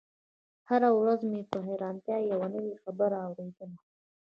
هره ورځ مې د حيرانتيا يوه نوې خبره اورېدله.